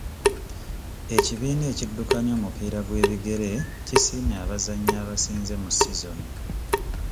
Ekibiina ekiddukanya omupiira gw'ebigere kisiimye abazannyi abasinze mu sizoni.